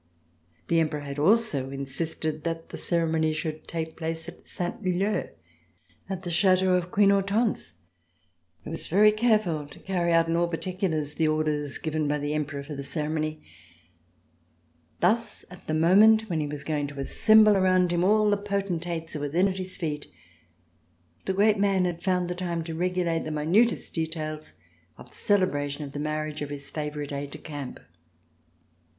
The Emperor had also insisted that the ceremony should take place at Saint Leu, at the L'inFE:iui.?iRxcs : 1791 18*7 DUISE THE PREFECTURE AT BRUSSELS Chateau of Queen Hortense, who was very careful to carry out in all {)articulars the orders given by the Emperor for the ceremony. Thus at the moment when he was going to assemble around him all the potentates who were then at his feet, the great man had found the time to regulate the minutest details of the celebration of the marriage of his favorite aide de camp.